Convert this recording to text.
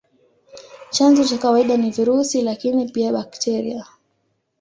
Chanzo cha kawaida ni virusi, lakini pia bakteria.